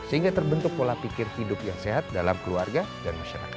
sehingga terbentuk pola pikir hidup yang sehat dalam keluarga dan masyarakat